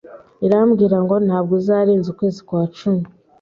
irambwirango ntabwo uzarenza ukwezi kwa cumi